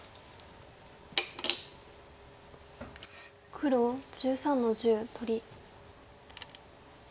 黒１３の十取り。